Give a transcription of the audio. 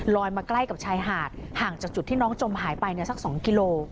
มาใกล้กับชายหาดห่างจากจุดที่น้องจมหายไปสัก๒กิโล